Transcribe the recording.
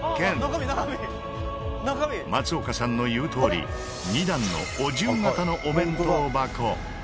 松岡さんの言うとおり２段のお重型のお弁当箱。